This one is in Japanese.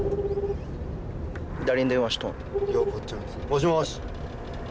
もしもし。